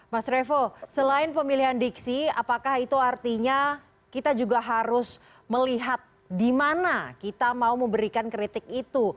mas revo selain pemilihan diksi apakah itu artinya kita juga harus melihat di mana kita mau memberikan kritik itu